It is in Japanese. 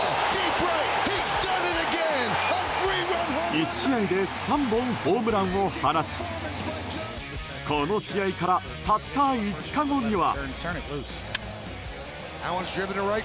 １試合で３本、ホームランを放ちこの試合からたった５日後には。